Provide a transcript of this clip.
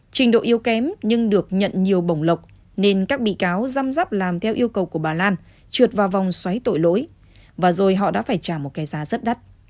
trình độ yếu kém nhưng được nhận nhiều bổng lộc nên các bị cáo giam dắp làm theo yêu cầu của bà lan trượt vào vòng xoáy tội lỗi và rồi họ đã phải trả một cái giá rất đắt